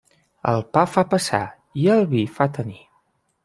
El pa fa passar i el vi fa tenir.